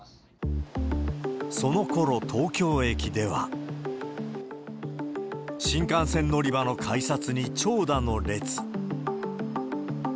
そのころ、東京駅では、新幹線乗り場の改札に長蛇の列。